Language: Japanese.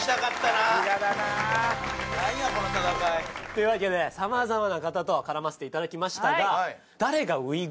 というわけでさまざまな方と絡ませていただきましたが。